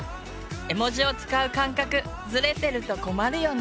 絵文字を使う感覚ズレてると困るよね。